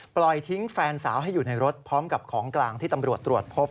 ปล่อยทิ้งแฟนสาวให้อยู่ในรถพร้อมกับของกลางที่ตำรวจตรวจพบ